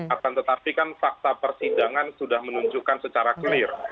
akan tetapikan fakta persidangan sudah menunjukkan secara clear